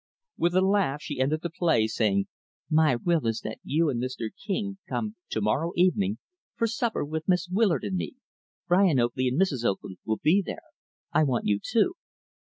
With a laugh, she ended the play, saying, "My will is that you and Mr. King come, to morrow evening, for supper with Miss Willard and me. Brian Oakley and Mrs. Oakley will be there. I want you too."